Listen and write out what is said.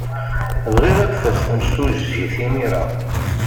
Bɣiɣ ad d-tas temsujjit imir-a.